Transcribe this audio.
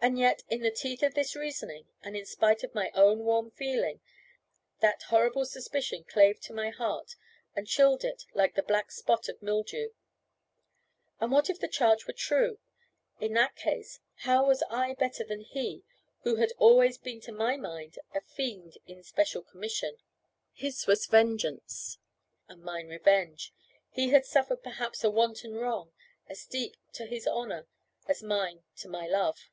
And yet, in the teeth of this reasoning, and in spite of my own warm feeling, that horrible suspicion clave to my heart and chilled it like the black spot of mildew. And what if the charge were true? In that case, how was I better than he who had always been to my mind a fiend in special commission? His was vengeance, and mine revenge; he had suffered perhaps a wanton wrong, as deep to his honour as mine to my love.